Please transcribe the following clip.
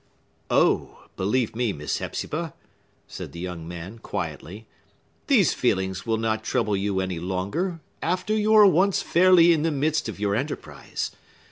"Oh, believe me, Miss Hepzibah," said the young man quietly, "these feelings will not trouble you any longer, after you are once fairly in the midst of your enterprise.